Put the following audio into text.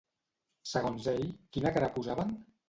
Segons ell, quina cara posaven?